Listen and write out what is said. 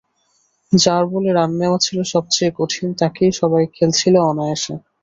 যাঁর বলে রান নেওয়া ছিল সবচেয়ে কঠিন, তাঁকেই সবাই খেলছিল অনায়াসে।